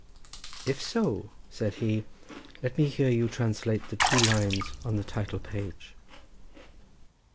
"If so," said he, "let me hear you translate the two lines on the title page."